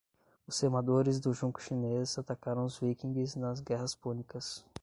Os remadores do junco chinês atacaram os viquingues nas Guerras Púnicas